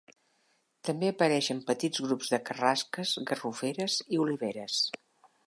També apareixen petits grups de carrasques, garroferes i oliveres.